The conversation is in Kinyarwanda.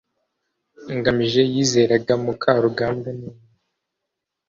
ngamije yizeraga mukarugambwa neza